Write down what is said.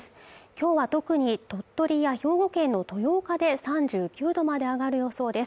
今日は特に鳥取や兵庫県の豊岡で３９度まで上がる予想です